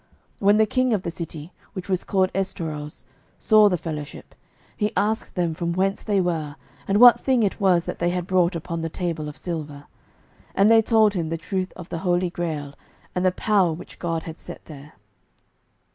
When the king of the city, which was called Estorause, saw the fellowship, he asked them from whence they were, and what thing it was that they had brought upon the table of silver. And they told him the truth of the Holy Grail, and the power which God had set there.